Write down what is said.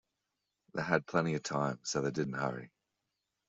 They had plenty of time, so they did not hurry.